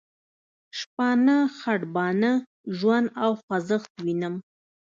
شپانه، خټبانه، ژوند او خوځښت وینم.